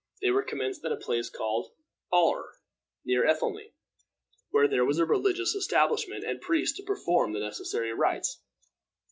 They were commenced at a place called Aulre, near Ethelney, where there was a religious establishment and priests to perform the necessary rites.